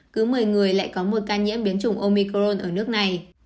cứ một mươi người lại có một ca nhiễm biến chủng omicron ở nước này